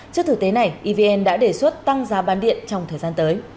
trước thực tế này evn đã đề xuất tăng giá bán điện trong thời gian tới